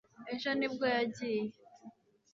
ejo ni bwo yagiye